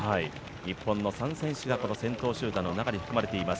日本の３選手が先頭集団の中に含まれています。